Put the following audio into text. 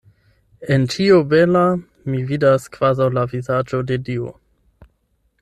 En ĉio bela mi vidas kvazaŭ la vizaĝon de Dio.